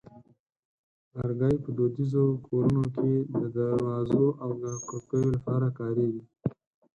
لرګی په دودیزو کورونو کې د دروازو او کړکیو لپاره کارېږي.